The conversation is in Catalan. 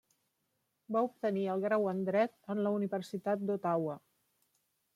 Va obtenir el grau en Dret en la Universitat d'Ottawa.